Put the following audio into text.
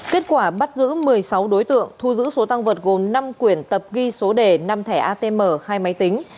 kết quả bắt giữ một mươi sáu đối tượng thu giữ số tăng vật gồm năm quyển tập ghi số đề năm thẻ atm hai máy tính